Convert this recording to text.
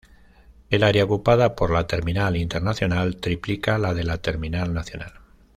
El área ocupada por la terminal internacional triplica la de la terminal nacional.